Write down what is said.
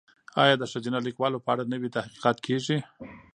ایا د ښځینه لیکوالو په اړه نوي تحقیقات کیږي؟